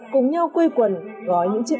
cùng nhau quây quần gói những chiếc